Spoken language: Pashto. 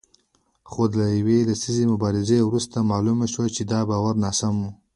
خو له یوې لسیزې مبارزې وروسته معلومه شوه چې دا باور ناسم و